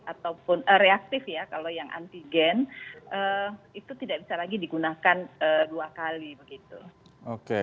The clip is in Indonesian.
ataupun reaktif kalau yang antigen itu tidak bisa lagi digunakan dua kali